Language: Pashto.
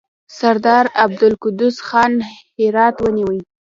سردار عبدالقدوس خان هرات ونیوی.